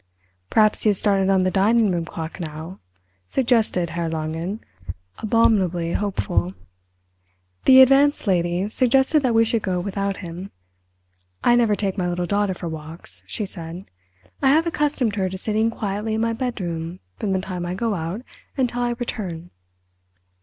"Perhaps he has started on the dining room clock now," suggested Herr Langen, abominably hopeful. The Advanced Lady suggested that we should go without him. "I never take my little daughter for walks," she said. "I have accustomed her to sitting quietly in my bedroom from the time I go out until I return!"